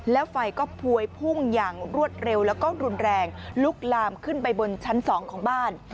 แล้วไฟก็พวยพุ่งอย่างรวดเร็วแล้วก็รุนแรงลุกลามขึ้นไปบนชั้น๒ของบ้าน